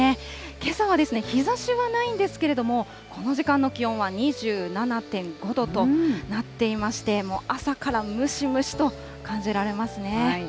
けさは日ざしはないんですけれども、この時間の気温は２７．５度となっていまして、朝からムシムシと感じられますね。